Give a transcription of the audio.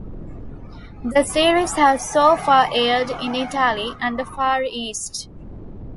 The series has so far aired in Italy and the Far East.